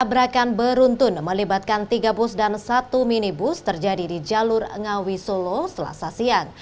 tabrakan beruntun melibatkan tiga bus dan satu minibus terjadi di jalur ngawi solo selasa siang